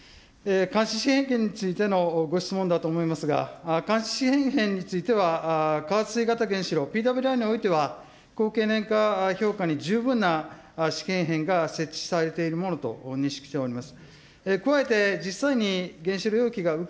試験片についてのご質問だと思いますが、監視試験片につきましては、型原子炉、ＰＷＩにおいては、高経年化評価に十分な試験片が設置されているものと認識しております。